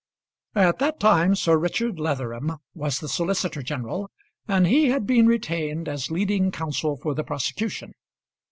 At that time Sir Richard Leatherham was the Solicitor general, and he had been retained as leading counsel for the prosecution.